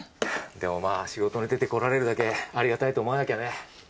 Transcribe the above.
でもまあ仕事に出て来られるだけありがたいと思わなきゃね。